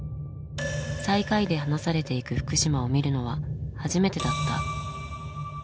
最下位で離されていく福島を見るのは初めてだった。